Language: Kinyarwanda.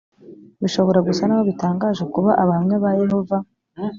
bishobora gusa n’aho bitangaje kuba abahamya ba yehova